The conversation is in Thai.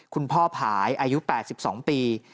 คุณพ่อผายอายุ๘๒ปี